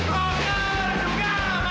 tunggu ya handuknya udah sayap